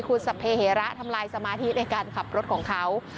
คุณสัพเพเหระทำลายสมาธิในการขับรถของเขา